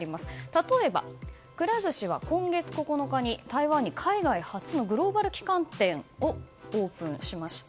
例えば、くら寿司は今月９日に台湾に海外初のグローバル旗艦店をオープンしました。